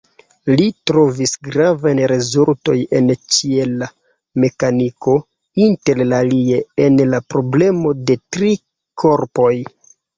Li trovis gravajn rezultoj en ĉiela mekaniko, interalie en la problemo de tri korpoj.